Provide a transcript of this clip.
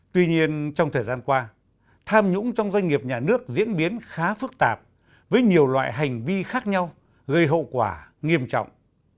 tuy nhiên trong thời gian qua tham nhũng trong doanh nghiệp nhà nước diễn biến khá phức tạp với nhiều loại hành vi khác nhau gây hậu quả nghiêm trọng